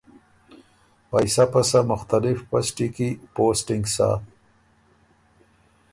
پئ سَۀ پسَۀ مختلف پسټی کی پوسټِنګ سَۀ۔